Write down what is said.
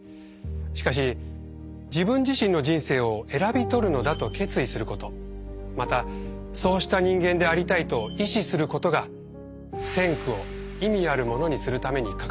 しかし自分自身の人生を選び取るのだと決意することまたそうした人間でありたいと意思することが「先駆」を意味あるものにするために欠かせないのです。